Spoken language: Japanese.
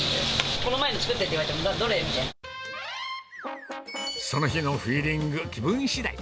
この前の作ってって言われても、その日のフィーリング、気分しだい。